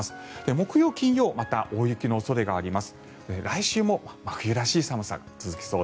木曜、金曜また大雪の恐れがあります。